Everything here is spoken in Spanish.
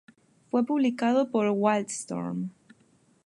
Fue publicado por Wildstorm.